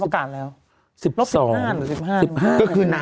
ลบ๑๕หรือ๑๕